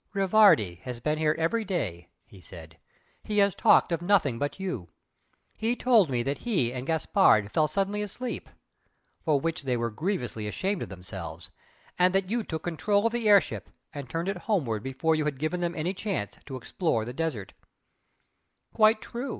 "Rivardi has been here every day" he said "He has talked of nothing but you. He told me that he and Gaspard fell suddenly asleep for which they were grievously ashamed of themselves and that you took control of the air ship and turned it homeward before you had given them any chance to explore the desert " "Quite true!"